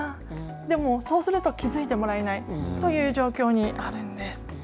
でも、そうすると気づいてもらえないという状況にあるんです。